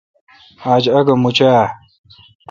آج آگہ مُچہ آ؟